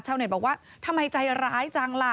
เน็ตบอกว่าทำไมใจร้ายจังล่ะ